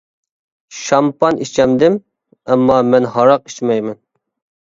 شامپان ئىچەمدىم؟ ئەمما مەن ھاراق ئىچمەيمەن.